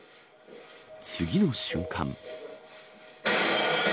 次の瞬間。